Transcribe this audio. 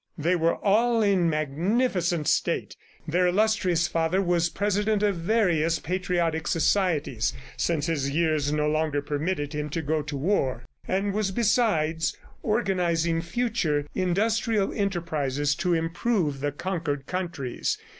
They were all in magnificent state. Their illustrious father was president of various patriotic societies (since his years no longer permitted him to go to war) and was besides organizing future industrial enterprises to improve the conquered countries.